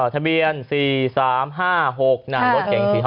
ทะเบียน๔๓๕๖นามรถเก่ง๔๓๖๕